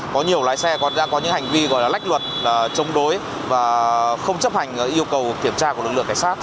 có nhiều lái xe còn đang có những hành vi gọi là lách luật chống đối và không chấp hành yêu cầu kiểm tra của lực lượng cảnh sát